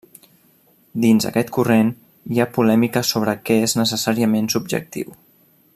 Dins aquest corrent hi ha polèmica sobre què és necessàriament subjectiu.